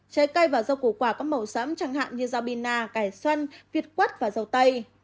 trái cây và dầu củ quả có màu sẫm chẳng hạn như dầu bina cải xoăn việt quất và dầu tây